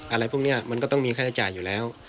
อะไรพวกนี้มันก็ต้องมีค่าใช้จ่ายอยู่แล้ว